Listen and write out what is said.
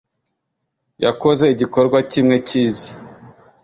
Yakoze igikorwa kimwe cyiza